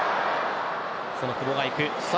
その久保が行く。